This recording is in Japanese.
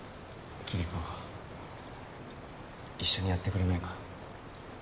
キリコ一緒にやってくれないか